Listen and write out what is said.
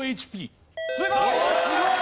すごい！